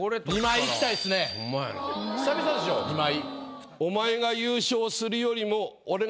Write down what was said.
久々でしょ２枚。